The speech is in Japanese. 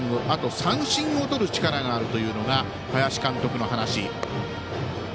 あと、三振をとる力があるというのが林監督の話。